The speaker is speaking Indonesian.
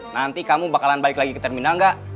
nanti kamu bakalan balik lagi ke terminal nggak